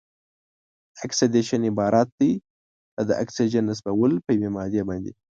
اکسیدیشن عبارت دی له د اکسیجن نصبول په یوې مادې باندې.